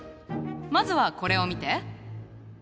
まずはこれを見て！